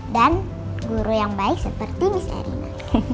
dan guru yang baik seperti miss erina